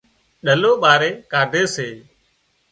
ڏلو ٻاري ڪاڍي سي